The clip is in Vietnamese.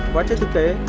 quá chất thực tế